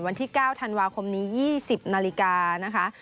วันที่๙ธันวาคมนี้๒๐นาฬิกานะคะ